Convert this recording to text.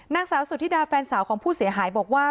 นางสาวสุธิดาแฟนสาวของผู้เสียหายบอกว่า